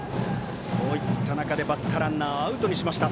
そういった中でバッターランナーをアウトにしました。